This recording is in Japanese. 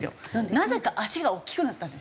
なぜか足が大きくなったんです。